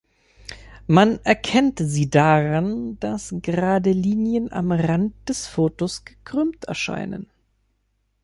Man erkennt sie daran, dass gerade Linien am Rand des Fotos gekrümmt erscheinen.